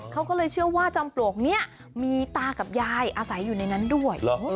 เขาก็เลยเชื่อว่าจอมปลวกนี้มีตากับยายอาศัยอยู่ในนั้นด้วย